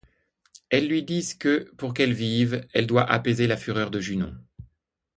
Elles lui disent que, pour qu'elle vive, elle doit apaiser la fureur de Junon.